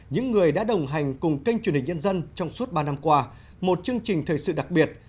những người đã đồng hành cùng kênh truyền hình nhân dân trong suốt ba năm qua một chương trình thời sự đặc biệt